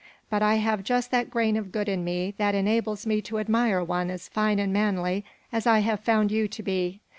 But I have just that grain of good in me that enables me to admire one as fine and manly as I have found you to be.